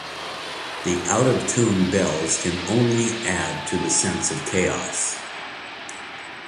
The out-of-tune bells only add to the sense of chaos.